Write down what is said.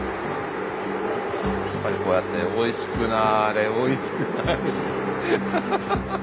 やっぱりこうやって「おいしくなれおいしくなれ」ってハハハハハ！